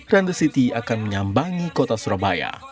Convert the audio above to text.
run the city akan menyambangi kota surabaya